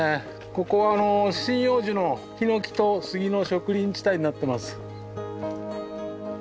ここはあの針葉樹のヒノキとスギの植林地帯になってます。